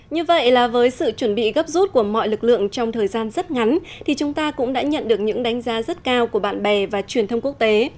như vậy là với sự chuẩn bị gấp rút của mọi lực lượng trong thời gian rất ngắn thì chúng ta cũng đã nhận được những đánh giá rất cao của bạn bè và truyền thông quốc tế